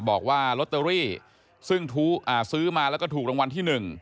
บอกว่าลอตเตอรี่ซึ่งซื้อมาแล้วก็ถูกรางวัลที่๑